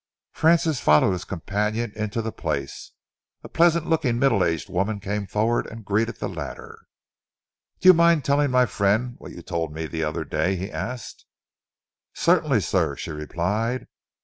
Francis followed his companion into the place. A pleasant looking, middle aged woman came forward and greeted the latter. "Do you mind telling my friend what you told me the other day?" he asked. "Certainly, sir," she replied.